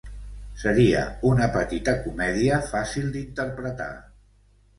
Seria una petita comèdia fàcil d'interpretar.